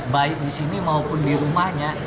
baik di sini maupun di rumahnya